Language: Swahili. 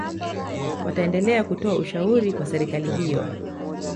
wataendelea kutoa ushauri kwa serikali hiyo